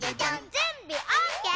「じゅんびオッケー？」